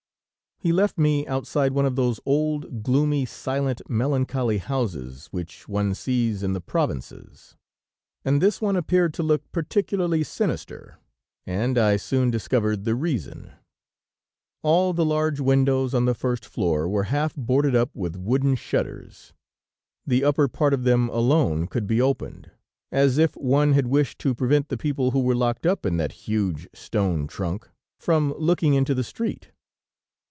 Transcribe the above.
He left me outside one of those old, gloomy, silent, melancholy houses, which one sees in the provinces, and this one appeared to look particularly sinister, and I soon discovered the reason. All the large windows on the first floor were half boarded up with wooden shutters. The upper part of them alone could be opened, as if one had wished to prevent the people who were locked up in that huge stone trunk from looking into the street.